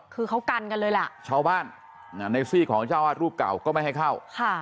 คือเขากันกันเลยล่ะชาวบ้านในซี่ของเจ้าวาดรูปเก่าก็ไม่ให้เข้า